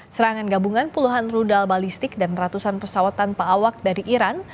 serangan gabungan puluhan rudal balistik dan ratusan pesawat tanpa awak dari iran